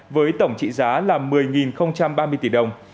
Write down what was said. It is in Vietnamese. với tổng trị giá là một mươi ba mươi tỷ đồng